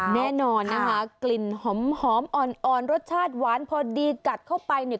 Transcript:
แน่นอนนะคะกลิ่นหอมอ่อนรสชาติหวานพอดีกัดเข้าไปเนี่ย